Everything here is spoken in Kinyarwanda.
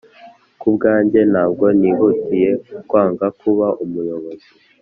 ku bwanjye ntabwo nihutiye kwanga kuba umuyobozi